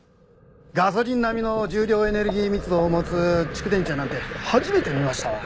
ガソリン並みの重量エネルギー密度を持つ蓄電池やなんて初めて見ましたわ。